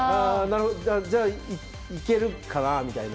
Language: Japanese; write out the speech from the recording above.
じゃあいけるかなみたいな。